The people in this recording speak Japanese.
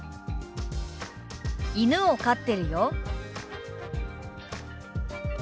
「犬を飼ってるよ」。